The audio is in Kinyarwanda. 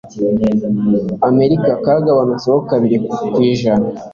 Amerika kagabanutseho kabiri kwijana